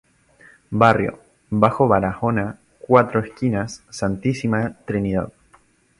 Barrio: Bajo Barahona, Cuatro Esquinas, Santísima Trinidad.